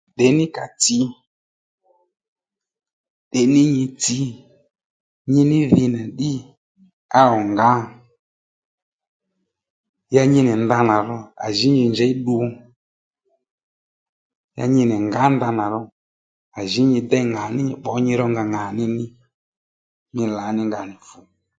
Ndeyní ka tsǐ ndèyní nyi tsǐ nyi ní dhi nà ddí á wù ngǎ ya nyi nì ndanà ro à jǐ nyi njěy ddu ya nyi nì ngǎ ndanà ro à jǐ nyi déy ŋǎní ní nyi bbǒ nyi ró nga ŋàní ní mí lǎní nga nì fu